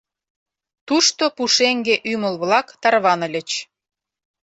Тушто пушеҥге ӱмыл-влак тарваныльыч.